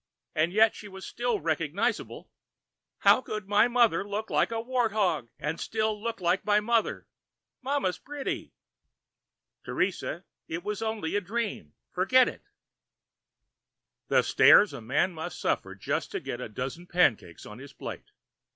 And yet she was still recognizable. How could my mother look like a wart hog and still look like my mother? Mama's pretty!" "Teresa, it was only a dream. Forget it." The stares a man must suffer just to get a dozen pancakes on his plate!